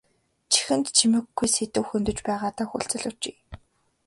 Чихэнд чимэггүй сэдэв хөндөж байгаадаа хүлцэл өчье.